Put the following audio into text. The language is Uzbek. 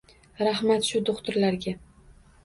Rahmat, shu do`xtirlarga